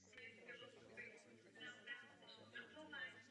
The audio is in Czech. Toto místo smrti však je sporné.